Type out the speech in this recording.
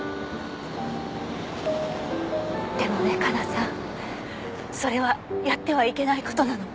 でもね加奈さん。それはやってはいけない事なの。